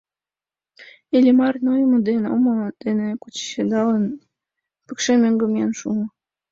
Иллимар, нойымо ден омо дене кучедалын, пыкше мӧҥгӧ миен шуо.